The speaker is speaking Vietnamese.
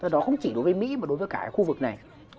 đó không chỉ đối với mỹ mà đối với cả khu vực này